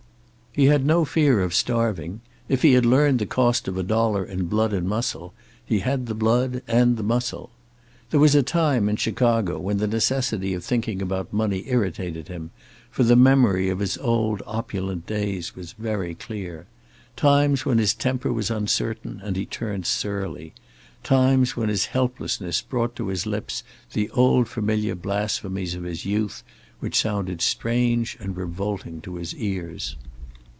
He had no fear of starving. If he had learned the cost of a dollar in blood and muscle, he had the blood and the muscle. There was a time, in Chicago, when the necessity of thinking about money irritated him, for the memory of his old opulent days was very clear. Times when his temper was uncertain, and he turned surly. Times when his helplessness brought to his lips the old familiar blasphemies of his youth, which sounded strange and revolting to his ears.